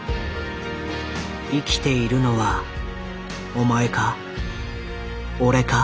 生きているのはお前か俺か？